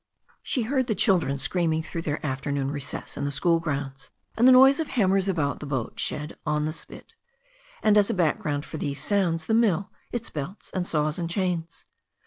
She heard the children screaming through their afternoon recess in the school grounds, and the noise of hammers about the boat shed on the spit, and as a background for these sounds, the mill, its belts and saws and chains.